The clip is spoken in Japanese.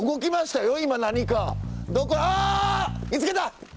見つけた！